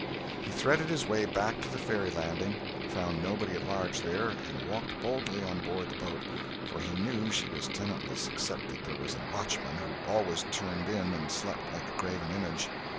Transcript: He threaded his way back to the ferry landing, found nobody at large there, and walked boldly on board the boat, for he knew she was tenantless except that there was a watchman, who always turned in and slept like a graven image.